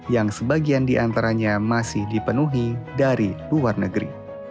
yang sebagian diantaranya masih dipenuhi dari luar negeri